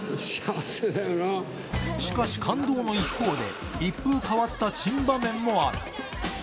しかし感動の一方で、一風変わった珍場面もある。